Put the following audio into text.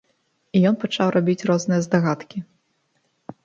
І ён пачаў рабіць розныя здагадкі.